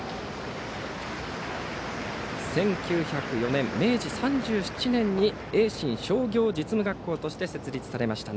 １９０４年、明治３７年に盈進商業実務学校として設立されました。